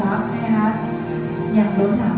สวัสดีครับทุกคน